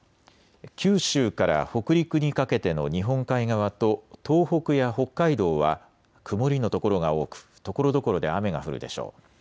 九州から北陸にかけての日本海側と東北や北海道は曇りの所が多くところどころで雨が降るでしょう。